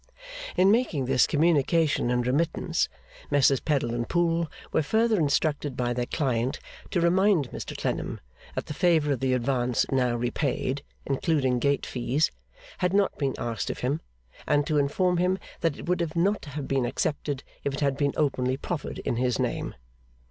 In making this communication and remittance, Messrs Peddle and Pool were further instructed by their client to remind Mr Clennam that the favour of the advance now repaid (including gate fees) had not been asked of him, and to inform him that it would not have been accepted if it had been openly proffered in his name.